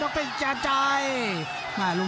ภูตวรรณสิทธิ์บุญมีน้ำเงิน